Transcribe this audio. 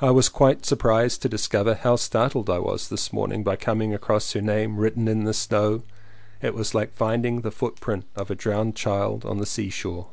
I was quite surprised to discover how startled I was this morning by coming across her name written in the snow; it was like find ing the foot print of a drowned child on the sea shore.